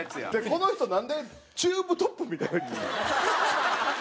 この人なんでチューブトップみたいなの。